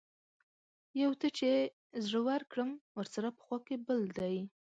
يو ته چې زړۀ ورکړم ورسره پۀ خوا کښې بل دے